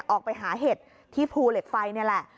ออกไปหาเห็ดที่ภูเหล็กไฟนี่แหละ